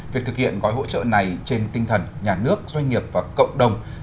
việc thực hiện gói hỗ trợ này trên tinh thần nhà nước doanh nghiệp và cộng đồng